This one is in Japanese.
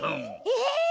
え！